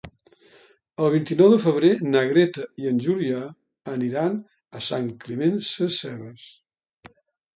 El vint-i-nou de febrer na Greta i en Julià aniran a Sant Climent Sescebes.